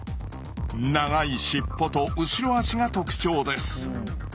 長い尻尾と後ろ足が特徴です。